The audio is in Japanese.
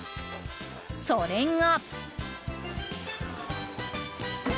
それが。